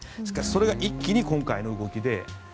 しかし、それが一気に今回の動きで。